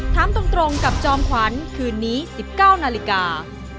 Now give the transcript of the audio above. ถามตรงกับจอมขวัญคืนนี้๑๙นาฬิกา